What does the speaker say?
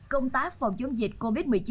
công tác phòng chống dịch covid một mươi chín